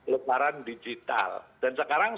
lebaran digital dan sekarang